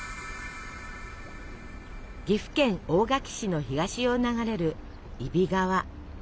岐阜県大垣市の東を流れる揖斐川。